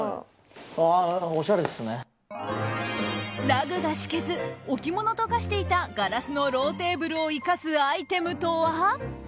ラグが敷けず置き物と化していたガラスのローテーブルを生かすアイテムとは？